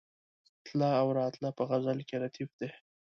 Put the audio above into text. تله او راتله په غزل کې ردیف دی.